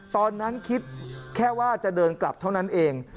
ตอนนั้นคิดแค่ว่าจะเดินกลับเท่านั้นเอง